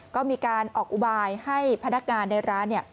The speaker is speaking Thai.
ก็มีการออกอุบายให้พนักงานในร้าน